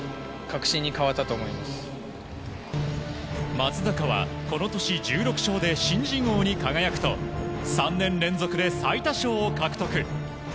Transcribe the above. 松坂はこの年１６勝で新人王に輝くと３年連続で最多勝を獲得。